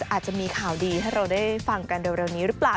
อาจจะมีข่าวดีให้เราได้ฟังกันเร็วนี้หรือเปล่า